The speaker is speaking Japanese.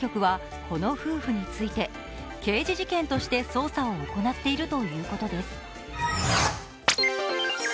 公安当局は、この夫婦について刑事事件として捜査を行っているということです。